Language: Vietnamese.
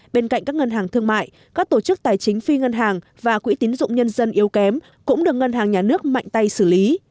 bên cạnh các ngân hàng thương mại các tổ chức tài chính phi ngân hàng và quỹ tín dụng nhân dân yếu kém cũng được ngân hàng nhà nước mạnh tay xử lý